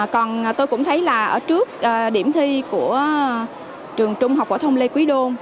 còn tôi cũng thấy là ở trước điểm thi của trường trung học phổ thông lê quý đôn